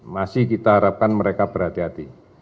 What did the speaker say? masih kita harapkan mereka berhati hati